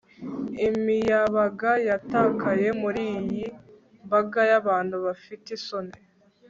Imiyabaga yatakaye muriyi mbaga yabantu bafite isoni